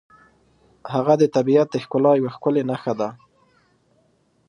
هغه د طبیعت د ښکلا یوه ښکلې نښه ده.